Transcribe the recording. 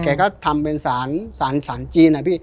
แกก็ทำเป็นศาลจีน